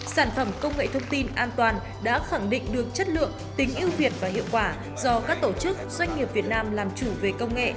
sản phẩm công nghệ thông tin an toàn đã khẳng định được chất lượng tính ưu việt và hiệu quả do các tổ chức doanh nghiệp việt nam làm chủ về công nghệ